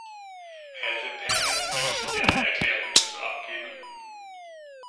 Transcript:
Herr Seppänen, möchten Sie eine Erklärung dazu abgeben?